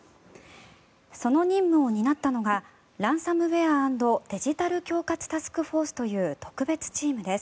その任務を担ったのがランサムウェア＆デジタル恐喝タスクフォースという特別チームです。